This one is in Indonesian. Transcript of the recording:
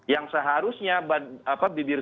yang seharusnya bibir